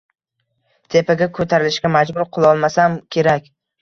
tepaga ko‘tarilishga majbur qilolmasam kerak.